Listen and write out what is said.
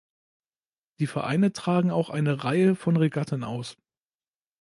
Die Vereine tragen auch eine Reihe von Regatten aus.